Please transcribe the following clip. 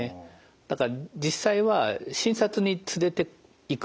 だから実際は診察に連れていく。